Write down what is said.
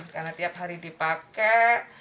karena tiap hari dipakai